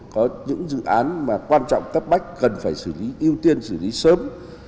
có những dự án mà quan trọng cấp bách cần phải sử lý ưu tiên sử lý sớm